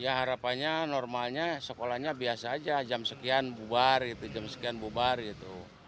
ya harapannya normalnya sekolahnya biasa aja jam sekian bubar gitu jam sekian bubar gitu